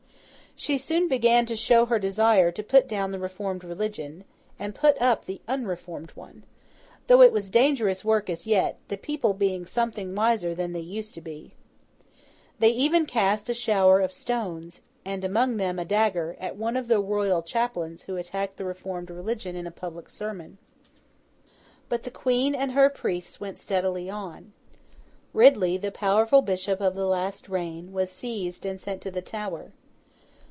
She soon began to show her desire to put down the Reformed religion, and put up the unreformed one: though it was dangerous work as yet, the people being something wiser than they used to be. They even cast a shower of stones—and among them a dagger—at one of the royal chaplains who attacked the Reformed religion in a public sermon. But the Queen and her priests went steadily on. Ridley, the powerful bishop of the last reign, was seized and sent to the Tower.